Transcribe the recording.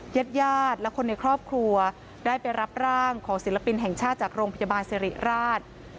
ญาติญาติและคนในครอบครัวได้ไปรับร่างของศิลปินแห่งชาติจากโรงพยาบาลสิริราช